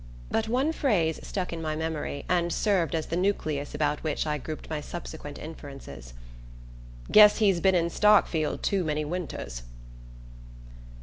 But one phrase stuck in my memory and served as the nucleus about which I grouped my subsequent inferences: "Guess he's been in Starkfield too many winters."